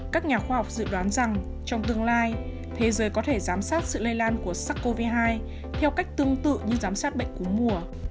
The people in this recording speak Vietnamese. các nhà khoa học dự đoán rằng trong tương lai thế giới có thể giám sát sự lây lan của sars cov hai theo cách tương tự như giám sát bệnh cú mùa